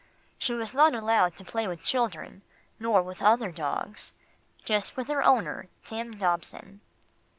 She was not allowed to play with children, nor with other dogs just with her owner, Tim Dobson.